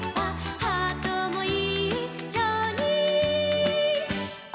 「ハートもいっしょにおどるよ」